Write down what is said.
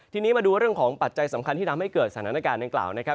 ทีนี้มาดูเรื่องของปัจจัยสำคัญที่ทำให้เกิดสถานการณ์ดังกล่าวนะครับ